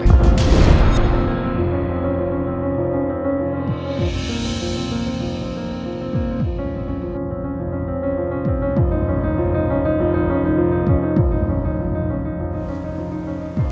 aku akan belikan tes p